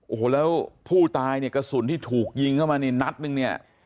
โอ้โหแล้วผู้ตายเนี่ยกระสุนที่ถูกยิงเข้ามานี่นัดนึงเนี่ย